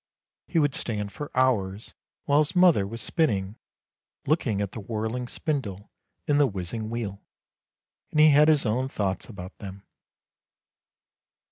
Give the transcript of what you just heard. He would stand for hours, while his mother was spinning, looking at the whirling spindle and the whizzing wheel, and he had his own thoughts about them.